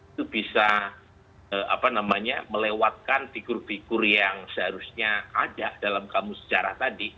itu bisa melewatkan figur figur yang seharusnya ada dalam kamus sejarah tadi